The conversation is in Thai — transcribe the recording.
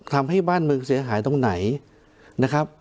ทำให้บ้านเมืองเสียหายตรงไหนนะครับ